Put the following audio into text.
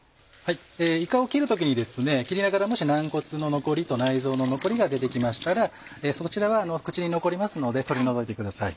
いかを切る時に切りながらもし軟骨の残りと内臓の残りが出て来ましたらそちらは口に残りますので取り除いてください。